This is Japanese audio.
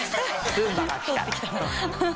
ルンバが来たら。